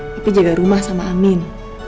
tapi jaga rumah sama amin